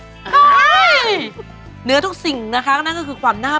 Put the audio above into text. เชฟออกละครั้งแรกด้วย